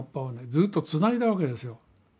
ずっとつないだわけですよ。